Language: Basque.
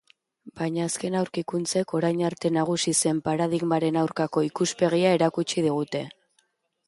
Baina azken aurkikuntzek orain arte nagusi zen paradigmaren aurkako ikuspegia erakutsi digute.